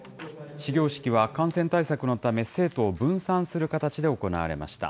始業式は感染対策のため、生徒を分散する形で行われました。